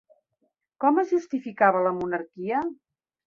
Com es justificava la monarquia?